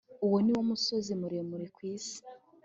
Uwo niwo musozi muremure kwisi